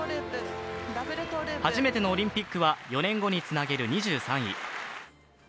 初めてのオリンピックは４年後につなげる２３位。